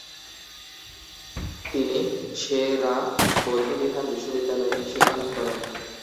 তিনি সে-রা বৌদ্ধবিহার বিশ্ববিদ্যালয়ে শিক্ষালাভ করেন।